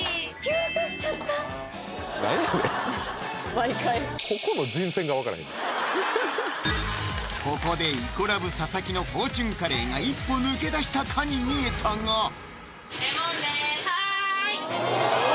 毎回ここで「イコラブ」・佐々木のフォーチュンカレーが一歩抜け出したかに見えたがはいお！